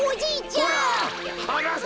はなせ！